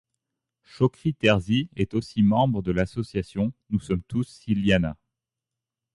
Chokri Terzi est aussi membre de l'association Nous sommes tous Siliana.